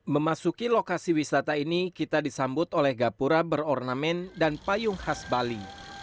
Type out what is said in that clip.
memasuki lokasi wisata ini kita disambut oleh gapura berornamen dan payung khas bali